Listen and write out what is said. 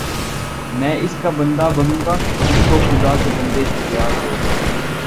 میں اس کا بندہ بنوں گا جس کو خدا کے بندوں سے پیار ہوگا